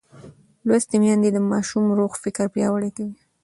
لوستې میندې د ماشوم روغ فکر پیاوړی کوي.